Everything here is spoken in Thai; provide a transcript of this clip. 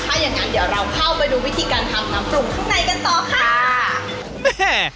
ถ้าอย่างงั้นเดี๋ยวเราเข้าไปดูวิธีการทำน้ำปรุงข้างในกันต่อค่ะแม่